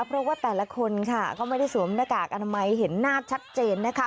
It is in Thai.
เพราะว่าแต่ละคนค่ะก็ไม่ได้สวมหน้ากากอนามัยเห็นหน้าชัดเจนนะคะ